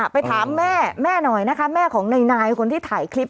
ไปถามแม่แม่หน่อยนะคะแม่ของนายคนที่ถ่ายคลิป